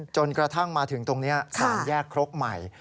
จนกระทั่งมาถึงตรงนี้๓แยกครกใหม่